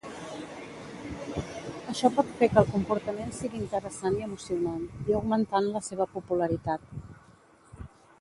Això pot fer que el comportament sigui interessant i emocionant, i augmentant la seva popularitat.